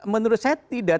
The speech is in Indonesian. menurut saya tidak